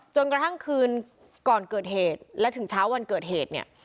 จนกระทั่งคืนก่อนเกิดเหตุและถึงเช้าวันเกิดเหตุเนี่ย